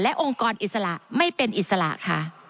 องค์กรอิสระไม่เป็นอิสระค่ะ